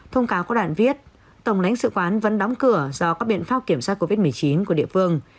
thông cáo có đoạn viết tổng lãnh sự quán vẫn đóng cửa do các biện pháp kiểm soát covid một mươi chín của địa phương